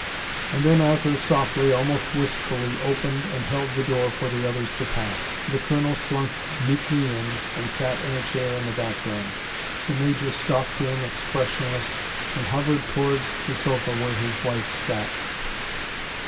And then Arthur softly, almost wistfully, opened and held the door for the others to pass. The Colonel slunk meekly in, and sat in a chair in the background. The Major stalked in expressionless, and hovered towards the sofa where his wife sat.